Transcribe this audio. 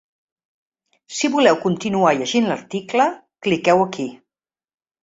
Si voleu continuar llegint l’article, cliqueu aquí.